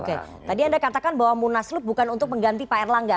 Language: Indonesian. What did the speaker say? oke tadi anda katakan bahwa munaslup bukan untuk mengganti pak erlangga